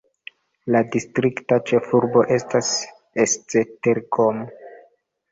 La distrikta ĉefurbo estas Esztergom.